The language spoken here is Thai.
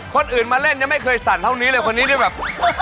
คนอื่นมาเล่นยังไม่เคยสั่นเท่านี้เลยคนนี้ได้แบบ